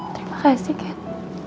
terima kasih kate